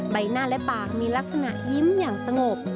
ใบหน้าและปากมีลักษณะยิ้มอย่างสงบ